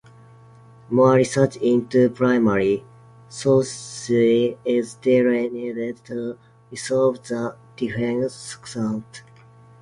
More research into primary sources is still needed to resolve the differing accounts.